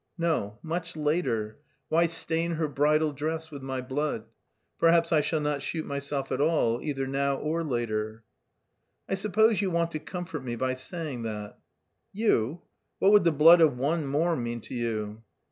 "No, much later. Why stain her bridal dress with my blood? Perhaps I shall not shoot myself at all, either now or later." "I suppose you want to comfort me by saying that?" "You? What would the blood of one more mean to you?"